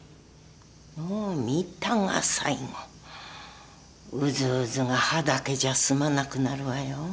もう見たが最後ウズウズが歯だけじゃ済まなくなるわよ。